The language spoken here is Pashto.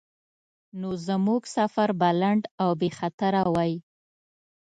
نو زموږ سفر به لنډ او بیخطره وای.